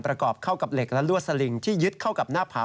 ประกอบเข้ากับเหล็กและลวดสลิงที่ยึดเข้ากับหน้าผา